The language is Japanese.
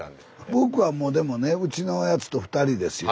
僕はもうでもねうちのやつと２人ですよ。